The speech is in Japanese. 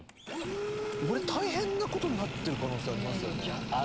俺大変なことになってる可能性ありますよね。